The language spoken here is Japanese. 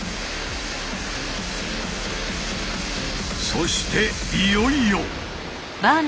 そしていよいよ！